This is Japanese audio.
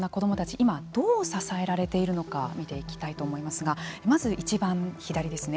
今、どう支えられているのか見ていきたいと思いますがまず、いちばん左ですね。